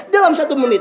dalam satu menit